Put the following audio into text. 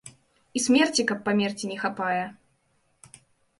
І смерці, каб памерці, не хапае!